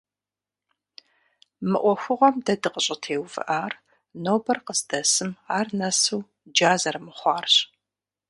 Мы ӏуэхугъуэм дэ дыкъыщӏытеувыӏар нобэр къыздэсым ар нэсу джа зэрымыхъуарщ.